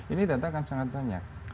ini data akan sangat banyak